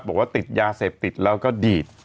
บอกว่าติดยาเสพติดแล้วก็ดีด